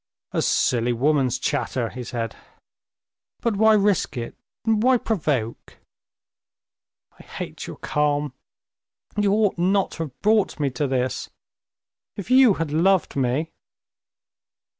"A silly woman's chatter," he said: "but why risk it, why provoke?..." "I hate your calm. You ought not to have brought me to this. If you had loved me...."